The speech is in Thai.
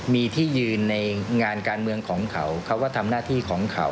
มีที่ยืนในงานการเมืองของเขาเขาก็ทำหน้าที่ของเขา